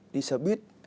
đi xe buýt